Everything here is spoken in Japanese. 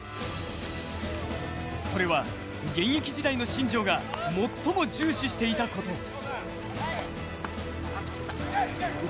それは、現役時代の新庄が最も重視していたこと。